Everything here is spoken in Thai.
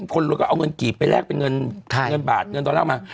คนรถก็เอาเงินกีบไปแลกเป็นเงินบาทเงินดอลลาร์มา